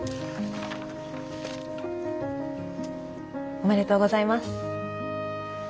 おめでとうございます。